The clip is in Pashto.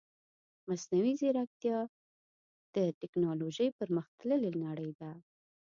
مصنوعي ځيرکتيا د تکنالوژي پرمختللې نړۍ ده .